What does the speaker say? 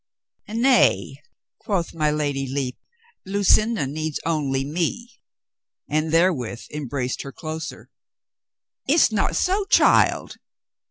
"Nay," quoth my Lady Lepe, "Lucinda needs only me," and therewith embraced her closer. "Is't not so, child?"